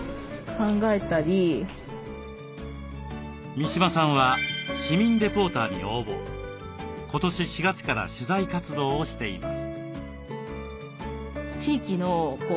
三嶋さんは市民レポーターに応募今年４月から取材活動をしています。